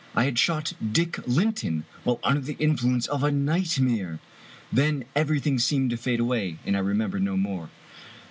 I had shot Dick Linton while under the influence of a nightmare! Then everything seemed to fade away, and I remember no more.